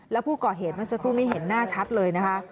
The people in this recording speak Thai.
แล้วผู้ก่อเหตุเมื่อสักครู่นี้เห็นหน้าชัดเลยนะคะ